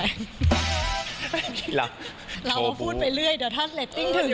เราก็พูดไปเรื่อยเดี๋ยวถ้าเรตติ้งถึง